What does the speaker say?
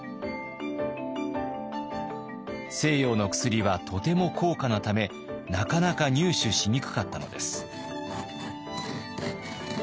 西洋の薬はとても高価なためなかなか入手しにくかったのです。